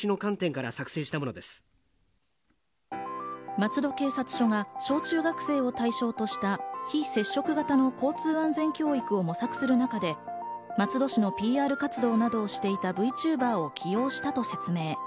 松戸警察署が小中学生を対象とした非接触型の交通安全教育を模索する中で松戸市のＰＲ活動などをしていたＶＴｕｂｅｒを起用したと説明。